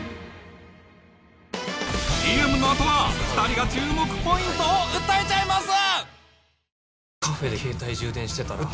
ＣＭのあとは２人が注目ポイントを訴えちゃいます！